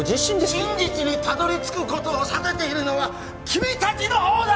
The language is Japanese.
真実にたどり着くことを避けているのは君達の方だ！